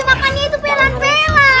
ini tuh pelan pelan